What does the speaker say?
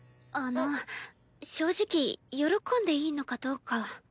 あの正直喜んでいいのかどうか。